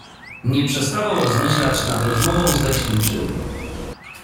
Nie przestawał rozmyślać nad rozmową z leśniczym.